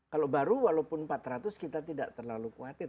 kalau baru walaupun empat ratus kita tidak terlalu khawatir